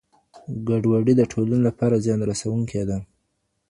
ګډوډي د ټولني لپاره زيان رسوونکي ده.